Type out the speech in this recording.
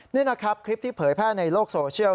นี่นะครับคลิปที่เผยแพร่ในโลกโซเชียล